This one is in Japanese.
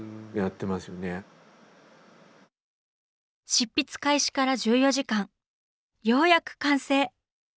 執筆開始から１４時間ようやく完成！